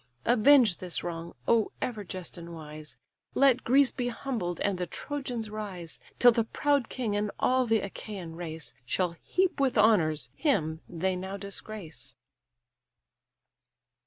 Avenge this wrong, O ever just and wise! Let Greece be humbled, and the Trojans rise; Till the proud king and all the Achaian race Shall heap with honours him they now disgrace."